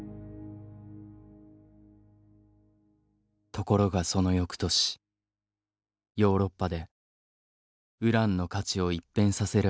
ところがその翌年ヨーロッパでウランの価値を一変させる発見があった。